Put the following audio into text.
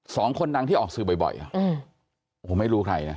สองคนดังที่ออกสื่อบ่อยโอ้โหไม่รู้ใครนะ